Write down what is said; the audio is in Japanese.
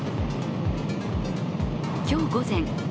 今日午前ね